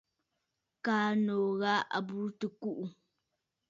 Kaa nòò ghà à burə tɨ̀ kùꞌù.